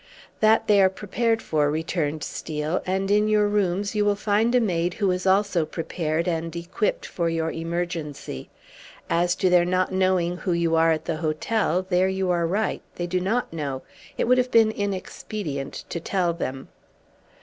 "That they are prepared for," returned Steel; "and in your rooms you will find a maid who is also prepared and equipped for your emergency. As to their not knowing who you are at the hotel, there you are right; they do not know; it would have been inexpedient to tell them."